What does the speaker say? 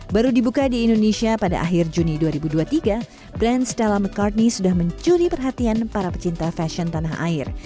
baru dibuka di indonesia pada akhir juni dua ribu dua puluh tiga brand stella mccartney sudah mencuri perhatian para pecinta fashion tanah air